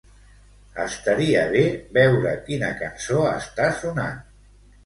Estaria bé veure quina cançó està sonant.